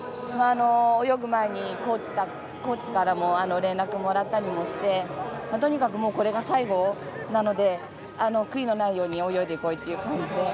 泳ぐ前にコーチからも連絡もらったりもしてとにかく、これが最後なので悔いのないように泳いでこいという感じで。